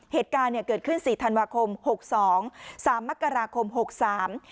เหตุการณ์เนี่ยเกิดขึ้นสี่ธันวาคมหกสองสามมกราคมหกสาม